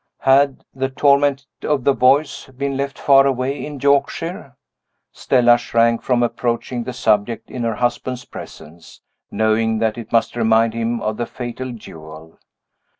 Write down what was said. Had "the torment of the Voice" been left far away in Yorkshire? Stella shrank from approaching the subject in her husband's presence, knowing that it must remind him of the fatal duel.